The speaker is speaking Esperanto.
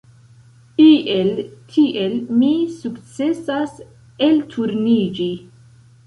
Iel tiel mi sukcesas elturniĝi.